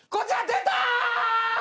出た！